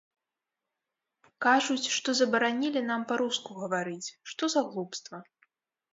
Кажуць, што забаранілі нам па-руску гаварыць, што за глупства.